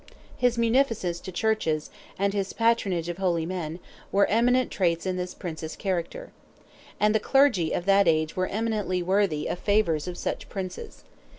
His munificence to churches, and his patronage of holy men, were eminent traits in this Prince's character. And the clergy of that age were eminently worthy of the favours of such Princes.